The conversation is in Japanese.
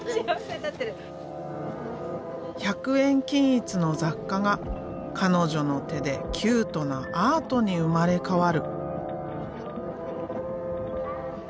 １００円均一の雑貨が彼女の手でキュートなアートに生まれ変わる。